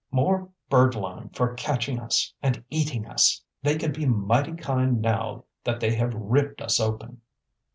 More birdlime for catching us and eating us. They can be mighty kind now that they have ripped us open."